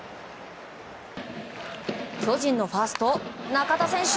巨人のファースト、中田選手